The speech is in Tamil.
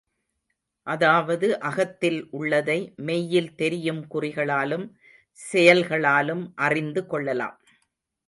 அதாவது, அகத்தில் உள்ளதை, மெய்யில் தெரியும் குறிகளாலும் செயல்களாலும் அறிந்து கொள்ளலாம்.